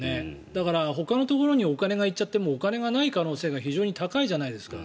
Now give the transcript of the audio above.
だから、ほかのところにお金が行っちゃってもお金がない可能性が非常に高いじゃないですか。